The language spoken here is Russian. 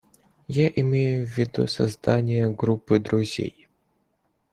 Я имею в виду создание группы друзей.